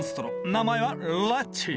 名前はレッチー。